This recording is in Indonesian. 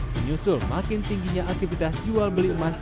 menyusul makin tingginya aktivitas jual beli emas